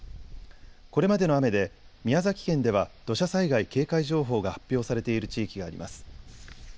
これまでの雨で宮崎県では土砂災害警戒情報が発表されている地域があります。